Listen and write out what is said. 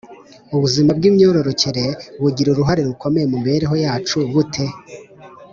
Ubuzima bw’imyororokere bugira uruhare rukomeye mu mibereho yacu bute?